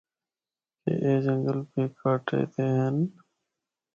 کہ اے جنگل بھی کَٹ دے ہن۔